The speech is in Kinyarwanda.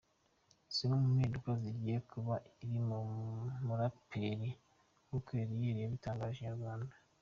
Zimwe mu mpinduka zigiye kuba kuri uyu muraperi nkuko Eliel yabitangarije Inyarwanda.